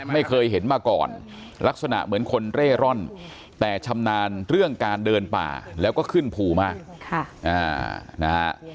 ไม่เคยเห็นมาก่อนลักษณะเหมือนคนเร่ร่อนแต่ชำนาญเรื่องการเดินป่าแล้วก็ขึ้นภูมากนะฮะ